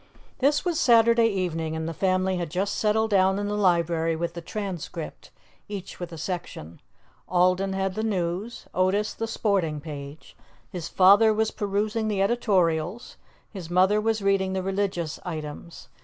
This was Saturday evening, and the family had just settled down in the library with the Transcript, each with a section. Alden had the news; Otis, the sporting page; his father was perusing the editorials, his mother was reading the religious items.